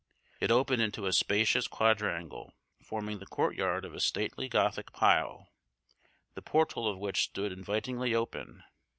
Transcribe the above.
It opened into a spacious quadrangle forming the courtyard of a stately Gothic pile, the portal of which stood invitingly open.